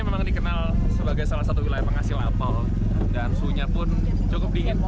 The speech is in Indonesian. memang dikenal sebagai salah satu wilayah penghasil apel dan suhunya pun cukup dingin